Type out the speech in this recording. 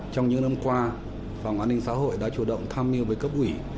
trong những năm qua phòng an ninh xã hội đã chủ động tham mưu với cấp ủy